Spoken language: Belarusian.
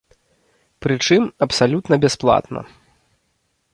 Пры чым абсалютна бясплатна.